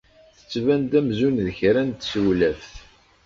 Tettban-d amzun d kra n tsewlaft.